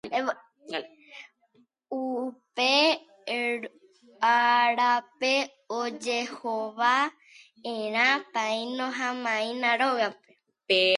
Upe árape ojehova'erã paíno ha maína rógape